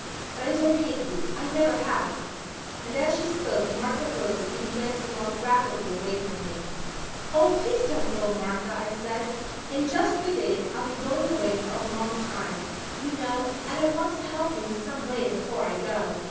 But I don't hate you I never have." And as she spoke Martha rose and began to walk rapidly away from me. "Oh, please don't go, Martha," I said. "In just three days I'll be going away for a long time, you know, and I want to help you in some way before I go.